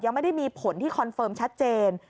ยังไม่ได้มีผลที่คอนเฟิร์มชัดเจน